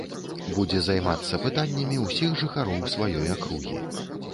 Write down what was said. Будзе займацца пытаннямі ўсіх жыхароў сваёй акругі.